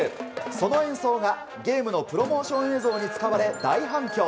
その演奏がゲームのプロモーション映像に使われ大反響。